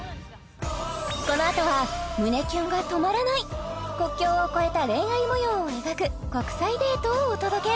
このあとは胸キュンが止まらない国境を超えた恋愛模様を描く国際デートをお届け